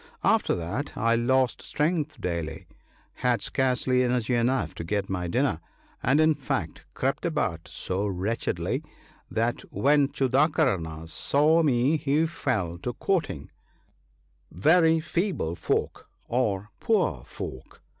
After that I lost strength daily, had scarcely energy enough to get my dinner, and, in fact, crept about so wretchedly, that when Chudakarna saw me he fell to quoting, —" Very feeble folk are poor folk